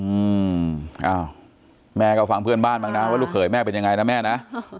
อืมอ้าวแม่ก็ฟังเพื่อนบ้านบ้างนะว่าลูกเขยแม่เป็นยังไงนะแม่นะ